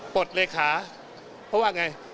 ดเลขาเพราะว่าไง